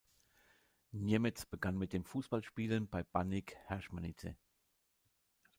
Němec begann mit dem Fußballspielen bei Baník Heřmanice.